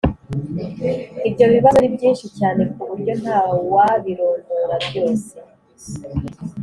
ibyo bibazo ni byinshi cyane ku buryo ntawabirondora byose.